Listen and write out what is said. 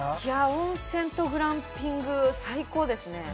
温泉とグランピング最高ですね。